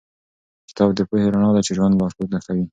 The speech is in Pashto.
کتاب د پوهې رڼا ده چې د ژوند لارښود کوي.